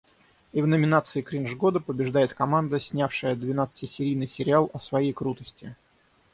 И в номинации "Кринж года" побеждает команда, снявшая двенадцатисерийный сериал о своей крутости.